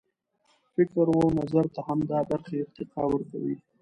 فکر و نظر ته همدا برخې ارتقا ورکوي.